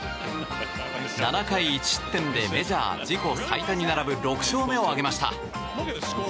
７回１失点でメジャー自己最多に並ぶ６勝目を挙げました。